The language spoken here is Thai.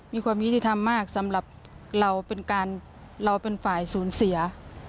มีความยุติธรรมมากสำหรับเราเป็นการเราเป็นฝ่ายศูนย์เสีย